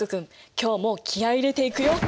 今日も気合い入れていくよ。